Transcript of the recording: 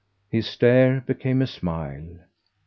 His stare became a smile.